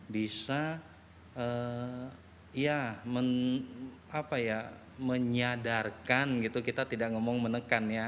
bisa menyadarkan kita tidak ngomong menekan ya